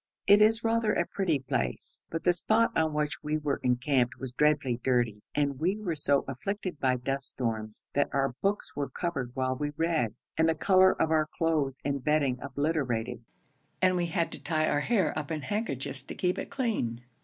It is rather a pretty place, but the spot on which we were encamped was dreadfully dirty, and we were so afflicted by dust storms, that our books were covered while we read, and the colour of our clothes and bedding obliterated, and we had to tie our hair up in handkerchiefs to keep it clean.